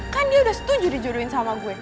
kan dia udah setuju dijuruin sama gue